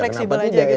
kenapa tidak ya